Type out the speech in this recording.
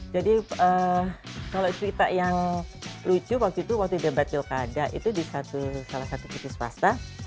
jadi kalau cerita yang lucu waktu itu waktu di debat pilkada itu di satu salah satu titik swasta